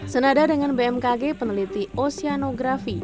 senada dengan bmkg peneliti oseanografi